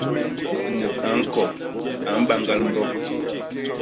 Mut a ñkop, a mbañgal mbok.